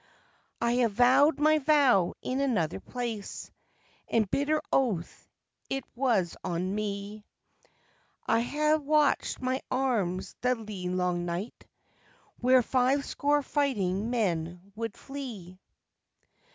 "I ha' vowed my vow in another place, And bitter oath it was on me, I ha' watched my arms the lee long night, Where five score fighting men would flee.